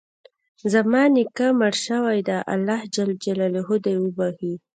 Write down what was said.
زما نیکه مړ شوی ده، الله ج د وبښي